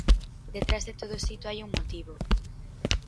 Detrás de todo sito hai un motivo.